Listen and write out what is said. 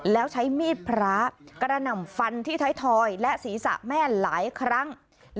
แล้วใช้มีดพระกระหน่ำฟันที่ท้ายทอยและศีรษะแม่หลายครั้ง